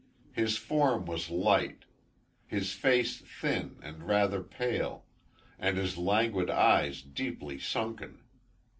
His form was light, his face thin and rather pale, and his languid eyes deeply sunken.